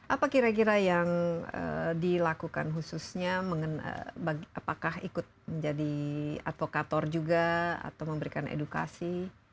apa kira kira yang dilakukan khususnya apakah ikut menjadi advokator juga atau memberikan edukasi